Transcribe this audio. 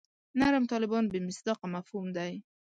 نرم طالبان بې مصداقه مفهوم دی.